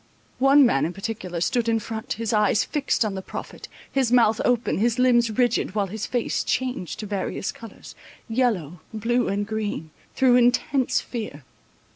One man in particular stood in front, his eyes fixt on the prophet, his mouth open, his limbs rigid, while his face changed to various colours, yellow, blue, and green, through intense fear.